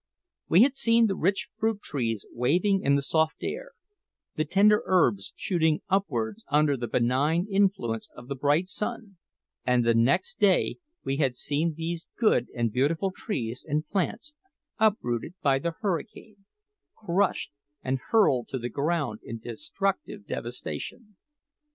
We had seen the rich fruit trees waving in the soft air, the tender herbs shooting upwards under the benign influence of the bright sun; and the next day we had seen these good and beautiful trees and plants uprooted by the hurricane, crushed and hurled to the ground in destructive devastation.